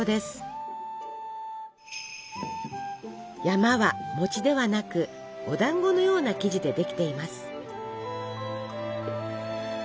「山」は餅ではなくお団子のような生地でできています。